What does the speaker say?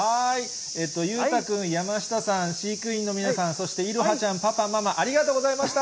裕太君、山下さん、飼育員の皆さん、そしていろはちゃん、パパ、ママ、ありがとうございました。